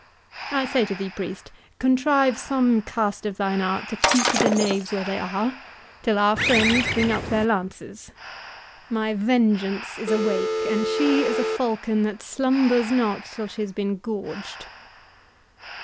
I say to thee, priest, contrive some cast of thine art to keep the knaves where they are, until our friends bring up their lances. My vengeance is awake, and she is a falcon that slumbers not till she has been gorged."